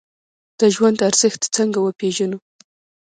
د ژوند ارزښت څنګه وپیژنو؟